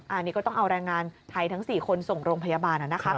อันนี้ก็ต้องเอาแรงงานไทยทั้ง๔คนส่งโรงพยาบาลนะครับ